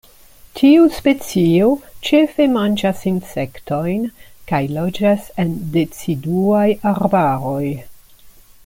Tiu specio ĉefe manĝas insektojn, kaj loĝas en deciduaj arbaroj.